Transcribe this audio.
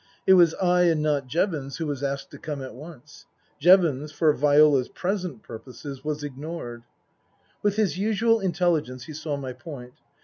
It was I and not Jevons who was asked to come at once. Jevons, for Viola's present purposes, was ignored. With his usual intelligence he saw my point.